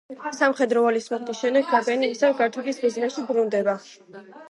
სამხედრო ვალის მოხდის შემდეგ გაბენი ისევ გართობის ბიზნესში ბრუნდება.